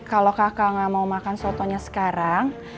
kalau kakak gak mau makan sotonya sekarang